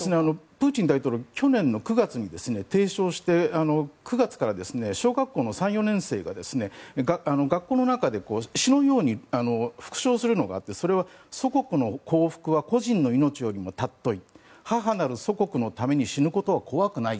プーチン大統領は去年の９月に提唱して９月から小学校の３、４年生が学校の中で詩のように復唱することがあってそれは祖国の幸福は個人の命よりも貴い母なる祖国のために死ぬことは怖くない。